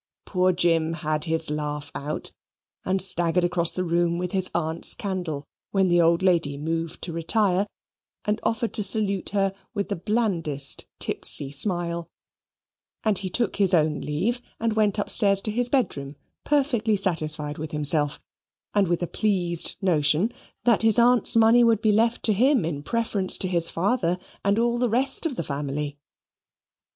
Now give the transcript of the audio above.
Poor Jim had his laugh out: and staggered across the room with his aunt's candle, when the old lady moved to retire, and offered to salute her with the blandest tipsy smile: and he took his own leave and went upstairs to his bedroom perfectly satisfied with himself, and with a pleased notion that his aunt's money would be left to him in preference to his father and all the rest of the family.